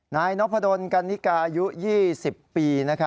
นายนพดลกันนิกาอายุ๒๐ปี